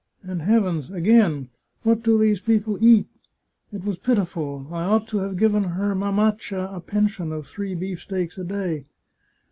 " And heavens, again ! What do those people eat ? It was pitiful ! I ought to have given her mamaccia a pen sion of three beefsteaks a day.